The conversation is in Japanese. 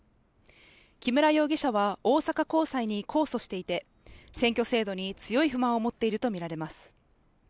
木村容疑者は大阪高裁に控訴していて、選挙制度に強い不満を持っているとみられます。